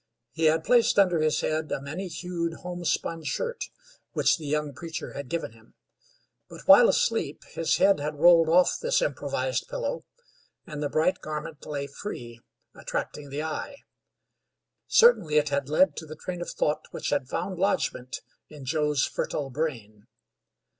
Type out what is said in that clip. He had placed under his head a many hued homespun shirt which the young preacher had given him; but while asleep his head had rolled off this improvised pillow, and the bright garment lay free, attracting the eye. Certainly it had led to the train of thought which had found lodgment in Joe's fertile brain.